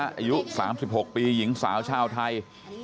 อายุ๓๖ปีหญิงสาวชาวไทย